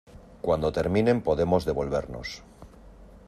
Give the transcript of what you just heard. cuando terminen podemos devolvernos.